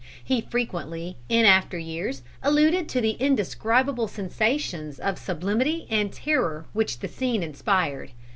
He frequently, in after years, alluded to the indescribable sensations of sublimity and terror which the scene inspired.